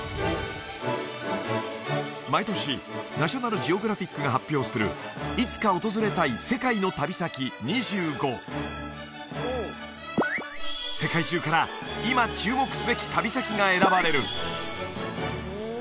毎年ナショナルジオグラフィックが発表する「いつか訪れたい世界の旅先２５」世界中から今注目すべき旅先が選ばれる